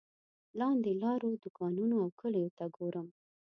لاندې لارو دوکانونو او کلیو ته ګورم.